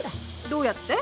どうやって？